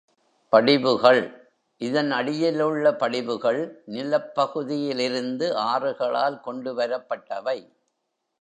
படிவுகள் இதன் அடியிலுள்ள படிவுகள் நிலப்பகுதியிலிருந்து ஆறுகளால் கொண்டுவரப்பட்டவை.